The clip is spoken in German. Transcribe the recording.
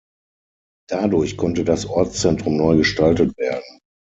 Dadurch konnte das Ortszentrum neu gestaltet werden.